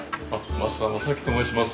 増田正樹と申します。